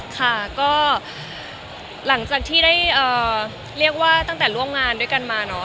ค่ะก็หลังจากที่ได้เรียกว่าตั้งแต่ร่วมงานด้วยกันมาเนอะ